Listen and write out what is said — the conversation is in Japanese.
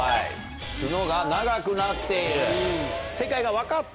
ツノが長くなっている。